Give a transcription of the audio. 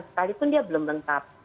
sekalipun dia belum lengkap